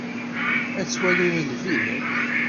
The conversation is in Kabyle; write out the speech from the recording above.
Ad twalim nnbi?